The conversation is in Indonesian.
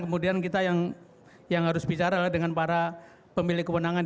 kemudian kita yang harus bicara adalah dengan para pemilik kewenangan